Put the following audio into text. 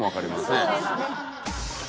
そうですね。